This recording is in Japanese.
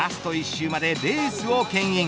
１周までレースをけん引。